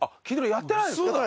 やってないです。